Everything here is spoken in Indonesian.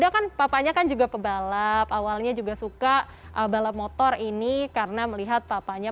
kan papanya kan juga pebalap awalnya juga suka balap motor ini karena melihat papanya